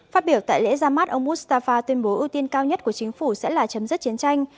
phát biểu tại lễ ra mắt ông mustafa tuyên bố ưu tiên cao nhất của chính phủ sẽ là chấm dứt chiến tranh